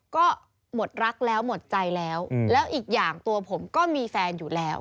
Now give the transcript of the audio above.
ก็หมดรักแล้วหมดใจแล้วแล้วอีกอย่างตัวผมก็มีแฟนอยู่แล้ว